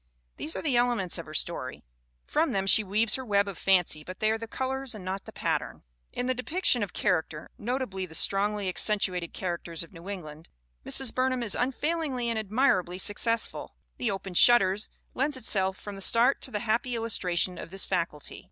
These are the elements of her story. From them she weaves her web of fancy but they are the colors and not the pattern. In the depiction of character, notably the strongly accentuated characters of New England, Mrs. Burn ham is unfailingly and admirably successful. The Opened Shutters lends itself from the start to the happy illustration of this faculty.